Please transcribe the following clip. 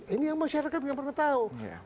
ini yang masyarakat yang pernah tahu